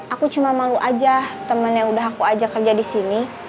aku cuma malu aja temen yang udah aku ajak kerja di sini